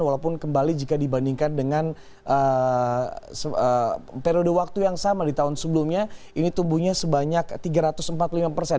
walaupun kembali jika dibandingkan dengan periode waktu yang sama di tahun sebelumnya ini tumbuhnya sebanyak tiga ratus empat puluh lima persen